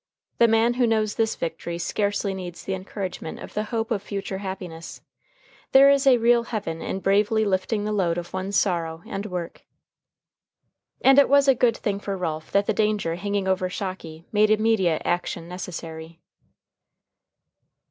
The man who knows this victory scarcely needs the encouragement of the hope of future happiness. There is a real heaven in bravely lifting the load of one's own sorrow and work. And it was a good thing for Ralph that the danger hanging over Shocky made immediate action necessary.